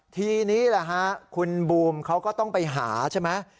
ทีนี้แหละฮะคุณบูมเขาก็ต้องไปหาใช่ไหม